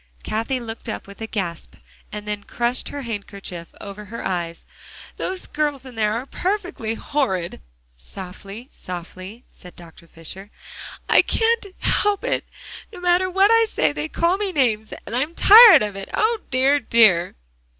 Cathie looked up with a gasp, and then crushed her handkerchief over her eyes. "Those girls in there are perfectly horrid." "Softly, softly," said Dr. Fisher. "I can't help it. No matter what I say, they call me names, and I'm tired of it. O dear, dear!"